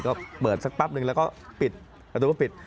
ก็เปิดสักแป๊บนึงแล้วก็ปิดประตูก็ปิด